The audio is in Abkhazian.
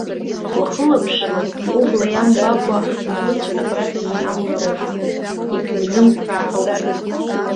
Уахылаԥшла, убла иамбакәа акәыбрыҵәҟьа абрахь иҩнамлароуп, иагьыҩнымԥраароуп.